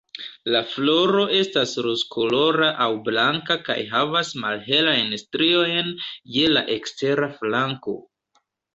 La floro estas rozkolora aŭ blanka kaj havas malhelajn striojn je la ekstera flanko.